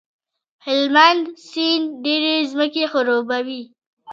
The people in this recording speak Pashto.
هلمند سیند ډېرې ځمکې خړوبوي.